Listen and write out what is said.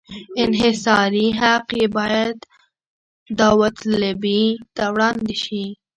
انحصاري حق یې باید داوطلبۍ ته وړاندې شي.